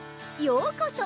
ようこそ